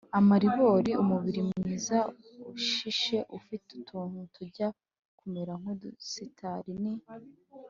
amaribori: umubiri mwiza ushishe ufite utuntu tujya kumera nk’udusitari ni